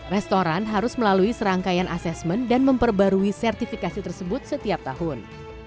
restoran harus melalui serangkaian asesmen dan memperbarui sertifikasi tersebut setiap tahun